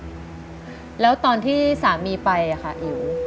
แล้วตอนที่สามีไปค่ะอิ๋ว